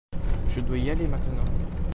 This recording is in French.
Je dois y aller maintenant.